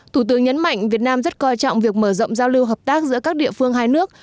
thủ tướng nhấn mạnh việt nam rất coi trọng việc mở rộng giao lưu hợp tác giữa các địa phương hai nước